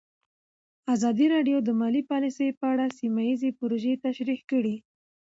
ازادي راډیو د مالي پالیسي په اړه سیمه ییزې پروژې تشریح کړې.